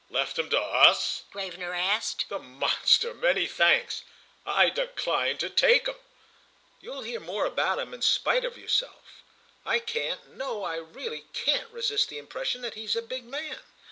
"Left him to us?" Gravener asked. "The monster—many thanks! I decline to take him." "You'll hear more about him in spite of yourself. I can't, no, I really can't resist the impression that he's a big man."